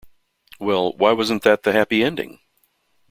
Well, why wasn't that the happy ending?